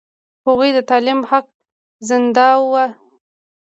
هغوی د تعلیم حق ځنډاوه.